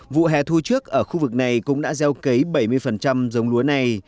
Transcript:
vụ hè thu trước ở khu vực này cũng đã gieo cấy bảy mươi dống lúa này